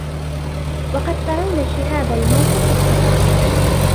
وقد ترون شهاب الموت قد سطعا